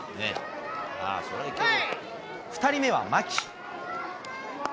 ２人目は牧。